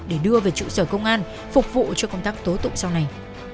để đưa về trụ sở công an phục vụ cho công tác tố tụng sau này